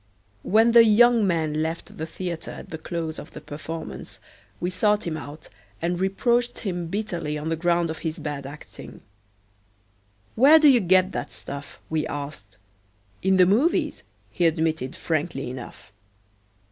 When the young man left the theater at the close of the performance we sought him out and reproached him bitterly on the ground of his bad acting. "Where do you get that stuff?" we asked. "In the movies," he admitted frankly enough.